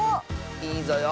いいぞよ。